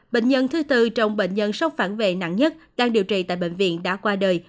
bệnh nhân thứ tư trong bệnh nhân sốc phản vệ nặng nhất đang điều trị tại bệnh viện đã qua đời